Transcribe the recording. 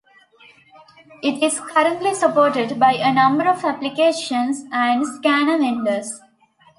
It is currently supported by a number of application and scanner vendors.